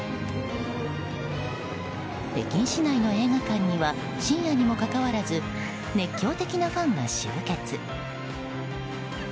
北京市内の映画館には深夜にもかかわらず熱狂的なファンが集結。